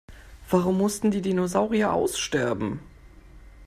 Warum mussten die Dinosaurier aussterben?